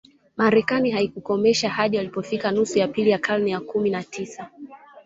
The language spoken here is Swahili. Marekani haikuikomesha hadi ilipofika nusu ya pili ya karne ya kumi na tisa